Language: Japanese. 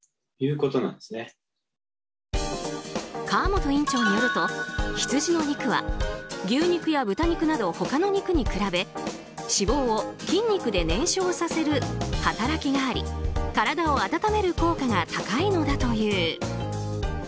川本院長によると、羊の肉は牛肉や豚肉など、他の肉に比べ脂肪を筋肉で燃焼させる働きがあり体を温める効果が高いのだという。